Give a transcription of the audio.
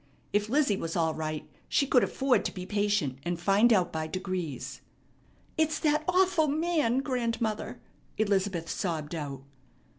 If Lizzie was all right, she could afford to be patient and find out by degrees. "It's that awful man, grandmother!" Elizabeth sobbed out.